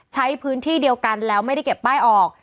ใช้พื้นที่เดียวกันแล้วไม่ได้เก็บป้ายออก